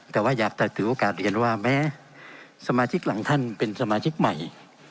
แต่ว่าอยากจะถือโอกาสเรียนว่าแม้สมาชิกหลังท่านเป็นสมาชิกใหม่